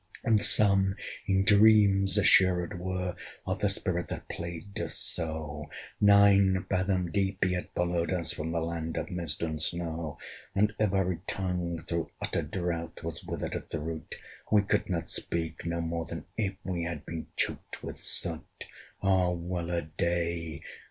And some in dreams assured were Of the spirit that plagued us so: Nine fathom deep he had followed us From the land of mist and snow. And every tongue, through utter drought, Was withered at the root; We could not speak, no more than if We had been choked with soot. Ah! well a day!